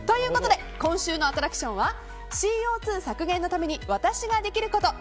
今週のアトラクションはＣＯ２削減のために私ができること！